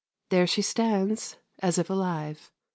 There she stands As if alive.